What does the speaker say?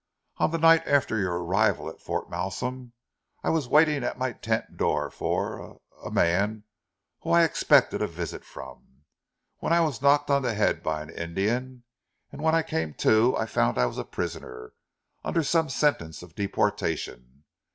On the night after you arrived at Fort Malsun, I was waiting at my tent door for er a man whom I expected a visit from, when I was knocked on the head by an Indian, and when I came to, I found I was a prisoner, under sentence of deportation.